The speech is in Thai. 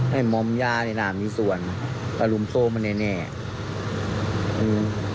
ให้มอมยาในนามนี้ส่วนอารุมโซมมันแน่แน่อืม